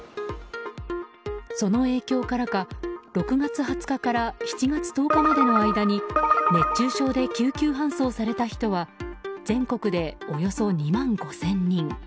その影響からか６月２０日から７月１０日までの間に熱中症で救急搬送された人は全国でおよそ２万５０００人。